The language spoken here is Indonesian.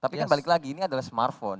tapi kan balik lagi ini adalah smartphone